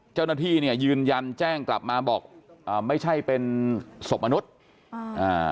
เจ้าหน้าที่เนี่ยยืนยันแจ้งกลับมาบอกอ่าไม่ใช่เป็นศพมนุษย์อ่าอ่า